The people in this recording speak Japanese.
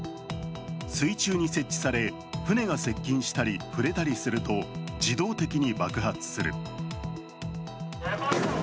水中に設置され、船が接近したり触れたりすると自動的に爆発する。